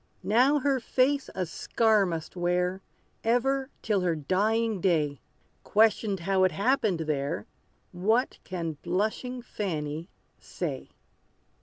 Now her face a scar must wear, Ever till her dying day! Questioned how it happened there, What can blushing Fanny say?